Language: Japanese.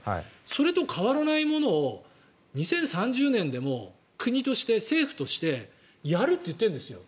それと変わらないものを２０３０年でも国として、政府としてやると言ってるんですよ。